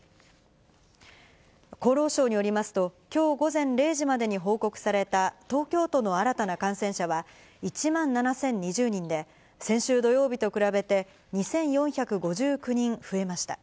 厚労省によりますと、きょう午前０時までに報告された、東京都の新たな感染者は１万７０２０人で、先週土曜日と比べて２４５９人増えました。